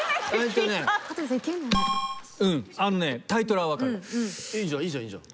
ピンポンいいじゃんいいじゃん